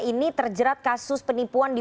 ini terjerat kasus penipuan di